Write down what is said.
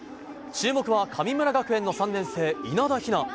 注目は神村学園の３年生、稲田雛。